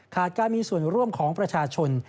การมีส่วนร่วมของประชาชน